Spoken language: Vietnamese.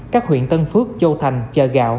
các huyện tân phước châu thành chờ gạo